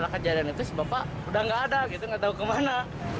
kejadian itu bapak udah nggak ada gitu nggak tahu kemana